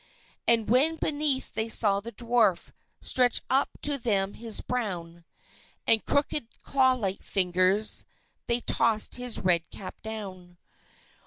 And when, beneath, they saw the Dwarf stretch up to them his brown And crooked claw like fingers, they tossed his red cap down.